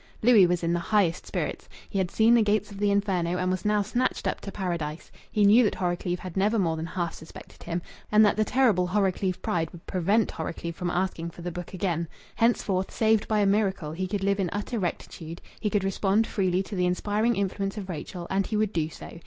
Louis was in the highest spirits. He had seen the gates of the Inferno, and was now snatched up to Paradise. He knew that Horrocleave had never more than half suspected him, and that the terrible Horrocleave pride would prevent Horrocleave from asking for the book again. Henceforth, saved by a miracle, he could live in utter rectitude; he could respond freely to the inspiring influence of Rachel, and he would do so.